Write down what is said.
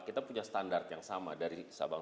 kita punya standar yang sama dari sabang